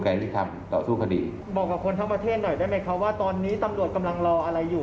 ฟังท่านเพิ่มค่ะบอกว่าถ้าผู้ต้องหาหรือว่าคนก่อเหตุฟังอยู่